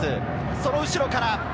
その後ろから。